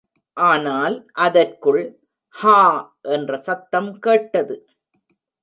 ஆனால், அதற்குள் ஹா! என்ற சத்தம் கேட்டது.